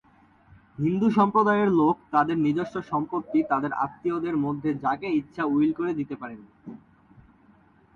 হিন্দু সম্প্রদায়ের লোক তাদের নিজস্ব সম্পত্তি তাদের আত্মীয়দের মধ্যে যাকে ইচ্ছা উইল করে দিতে পারেন।